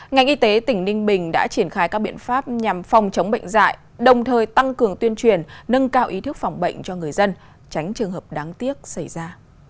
ngành y tế tỉnh ninh bình đã triển khai các biện pháp nhằm phòng chống bệnh dạy đồng thời tăng cường tuyên truyền nâng cao ý thức phòng bệnh cho người dân tránh trường hợp đáng tiếc xảy ra